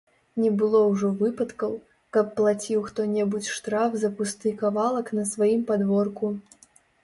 Не было ўжо выпадкаў, каб плаціў хто-небудзь штраф за пусты кавалак на сваім падворку.